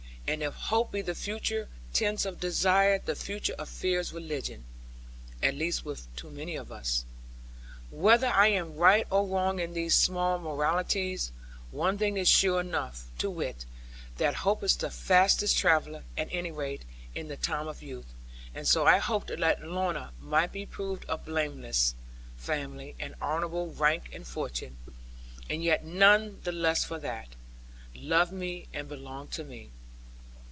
And if hope be the future tense of desire, the future of fear is religion at least with too many of us. Whether I am right or wrong in these small moralities, one thing is sure enough, to wit, that hope is the fastest traveller, at any rate, in the time of youth. And so I hoped that Lorna might be proved of blameless family, and honourable rank and fortune; and yet none the less for that, love me and belong to me.